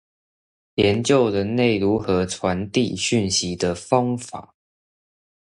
研究人類如何傳遞訊息的方法